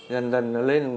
dần dần nó lên